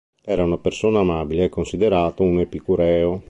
Era una persona amabile e considerato un epicureo.